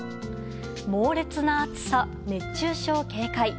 猛烈な暑さ、熱中症警戒。